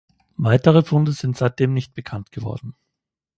Weitere Funde sind seitdem nicht bekannt geworden.